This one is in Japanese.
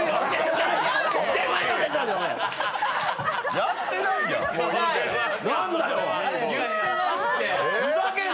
やってないじゃん。